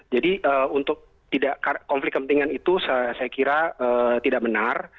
jadi untuk konflik kepentingan itu saya kira tidak benar